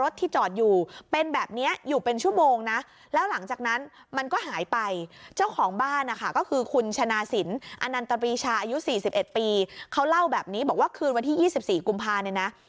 ตอนปีชาอายุ๔๑ปีเขาเล่าแบบนี้บอกว่าคืนวันที่๒๔กุมภาสเนี่ยนะ